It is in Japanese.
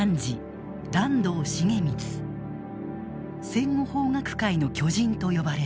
「戦後法学界の巨人」と呼ばれる。